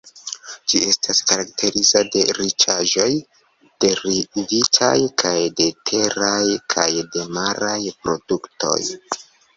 Ĝi estas karakterizita de riĉaĵoj derivitaj kaj de teraj kaj de maraj produktoj.